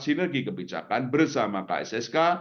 sinergi kebijakan bersama kssk